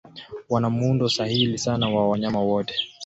Wana muundo sahili sana wa wanyama wote.